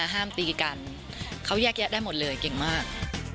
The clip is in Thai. ห้ามตีกันเขาแยกแยะได้หมดเลยเก่งมาก